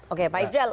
oke pak israel